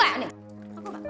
ngaku ma kalo enggak ngaku